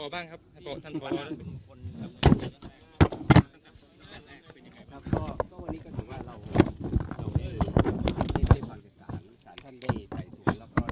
บ้างครับท่านท่านพ่อแล้วก็วันนี้ก็ถือว่าเราท่าน